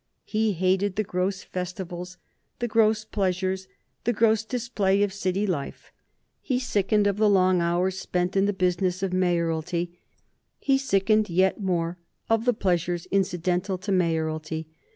He hated the gross festivals, the gross pleasures, the gross display of City life. He sickened of the long hours spent in the business of mayoralty; he sickened yet more of the pleasures incidental to mayoralty.